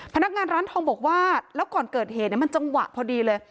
พนักงานร้านทองบอกว่าแล้วก่อนเกิดเหตุมันจังหวะพอดีเลย